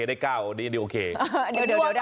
จริงเพราะว่าหลายคนจุด